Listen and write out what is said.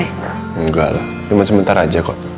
enggak lah cuma sebentar aja kok